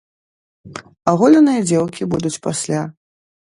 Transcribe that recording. Аголеныя дзеўкі будуць пасля!